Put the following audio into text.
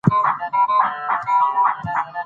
تاسو د ټولنپوهنې اړوند څېړنې څه مهال ترسره کړي؟